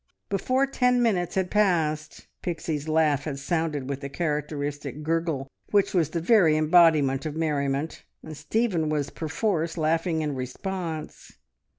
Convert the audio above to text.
Before ten minutes had passed Pixie's laugh had sounded with the characteristic gurgle which was the very embodiment of merriment, and Stephen was perforce laughing in response.